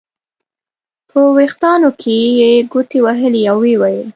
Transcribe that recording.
په وریښتانو کې یې ګوتې وهلې او ویې ویل.